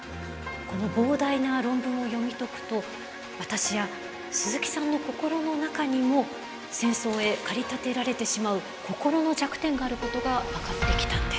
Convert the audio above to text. この膨大な論文を読み解くと私や鈴木さんの心の中にも戦争へ駆り立てられてしまう心の弱点があることが分かってきたんです。